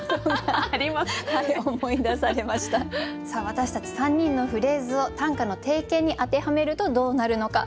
私たち３人のフレーズを短歌の定型に当てはめるとどうなるのか。